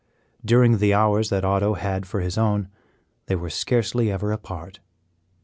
During the hours that Otto had for his own they were scarcely ever apart.